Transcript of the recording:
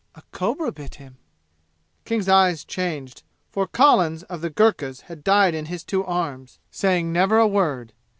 A cobra bit him." King's eyes changed, for Collins of the Gurkhas had died in his two arms, saying never a word.